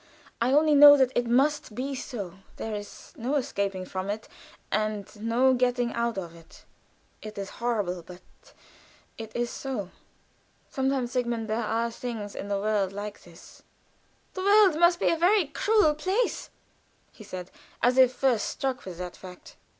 I only know that it must be so. There is no escaping from it, and no getting out of it. It is horrible, but it is so. Sometimes, Sigmund, there are things in the world like this." "The world must be a very cruel place," he said, as if first struck with that fact.